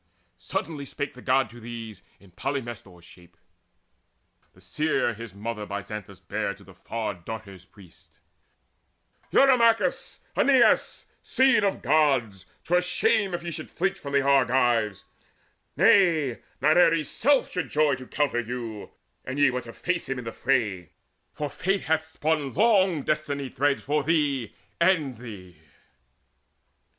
Suddenly spake the God to these In Polymestor's shape, the seer his mother By Xanthus bare to the Far darter's priest: "Eurymachus, Aeneas, seed of Gods, 'Twere shame if ye should flinch from Argives! Nay, Not Ares' self should joy to encounter you, An ye would face him in the fray; for Fate Hath spun long destiny threads for thee and thee."